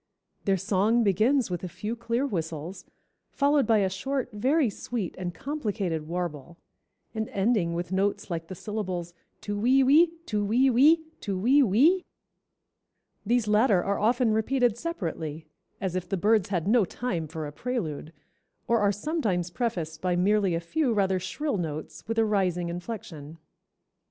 Their song begins with a few clear whistles, followed by a short, very sweet, and complicated warble, and ending with notes like the syllables tu we we, tu we we, tu we we. These latter are often repeated separately, as if the birds had no time for a prelude, or are sometimes prefaced by merely a few rather shrill notes with a rising inflection."